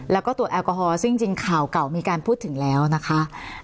แล้วก็ตรวจแอลกอฮอลซึ่งจริงข่าวเก่ามีการพูดถึงแล้วนะคะ